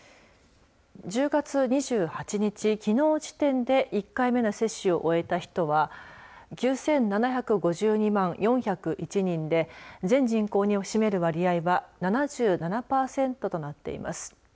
１０月２８日、きのう時点で１回目の接種を終えた人は９７５２万４０１人で全人口に占める割合は７７パーセントとなっています。